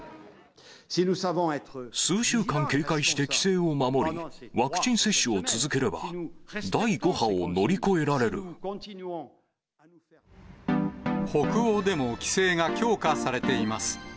数週間警戒して規制を守り、ワクチン接種を続ければ、北欧でも規制が強化されています。